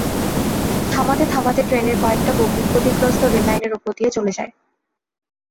থামাতে থামাতে ট্রেনের কয়েকটা বগি ক্ষতিগ্রস্ত রেললাইনের ওপর দিয়ে চলে যায়।